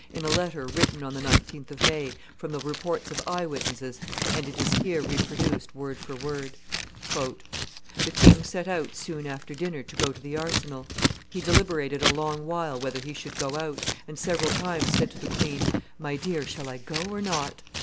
in a letter written on the 19th of May, from the reports of eye witnesses, and it is here reproduced, word for word. [Illustration: The Arsenal in the Reign of Henry IV. 143] "The king set out soon after dinner to go to the Arsenal. He deliberated a long while whether he should go out, and several times said to the queen, 'My dear, shall I go or not?